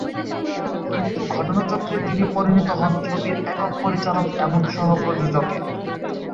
কিন্তু ঘটনাচক্রে তিনি পরিণত হন ছবির একক পরিচালক এবং সহ-প্রযোজকে।